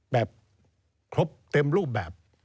แบบครบเต็มรูปแบบ